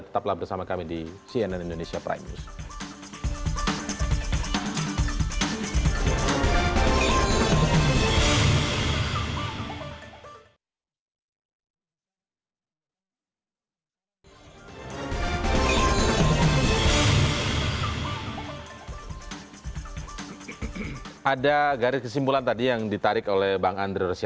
tetaplah bersama kami di cnn indonesia prime news